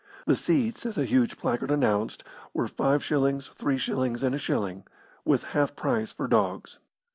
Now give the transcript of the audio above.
The seats, as a huge placard announced, were five shillings, three shillings, and a shilling, with half price for dogs.